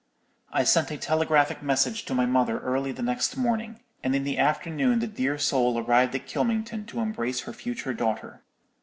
"I sent a telegraphic message to my mother early the next morning; and in the afternoon the dear soul arrived at Kylmington to embrace her future daughter.